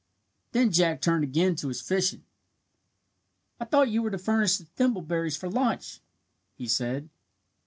Then Jack turned again to his fishing. "I thought you were to furnish the thimbleberries for lunch," he said.